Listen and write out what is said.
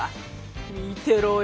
見てろよ。